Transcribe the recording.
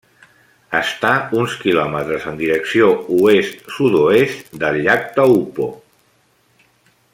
Està uns quilòmetres en direcció oest-sud-oest del Llac Taupo.